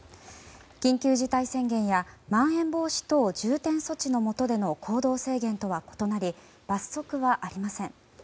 緊急事態宣言やまん延防止等重点措置のもとでの行動制限とは異なり罰則はありません。